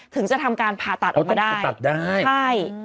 ถึงจะทำการผ่าตัดออกมาได้